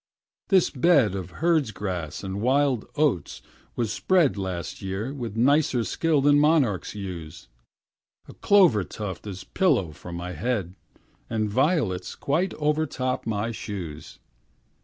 This bed of herd's grass and wild oats was spread Last year with nicer skill than monarchs use. A clover tuft is pillow for my head, And violets quite overtop my shoes.